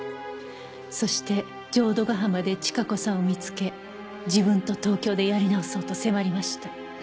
「そして浄土ヶ浜で千加子さんを見付け自分と東京でやり直そうと迫りました」